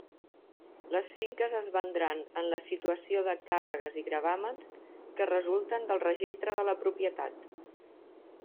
Les finques es vendran en la situació de càrregues i gravàmens que resulten del registre de la propietat.